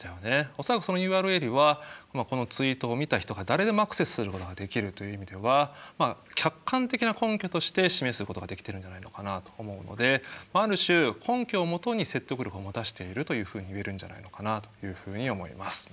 恐らくそのＵＲＬはこのツイートを見た人が誰でもアクセスすることができるという意味では客観的な根拠として示すことができてるんじゃないのかなと思うのである種根拠をもとに説得力を持たせているというふうに言えるんじゃないかなというふうに思います。